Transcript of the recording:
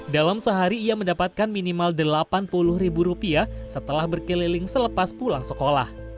dalam sehari ia mendapatkan minimal rp delapan puluh setelah berkeliling selepas pulang sekolah